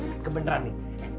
hah kebeneran nih